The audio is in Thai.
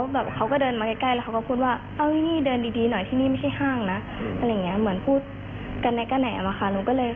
แล้วพอห่างกันระยะหนึ่งเขาก็พูดหนู